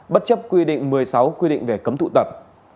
bất chấp quy định một mươi sáu quy định về cấm tụ tập